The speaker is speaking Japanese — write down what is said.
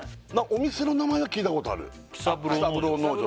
お店の名前は聞いたことある喜三郎農場？